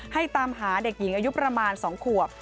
ตามหาเด็กหญิงอายุประมาณ๒ขวบ